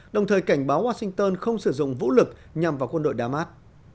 đồng thời cảnh báo washington không sử dụng vũ lực nhằm vào quân đội đa mát